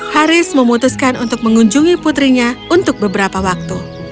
haris memutuskan untuk mengunjungi putrinya untuk beberapa waktu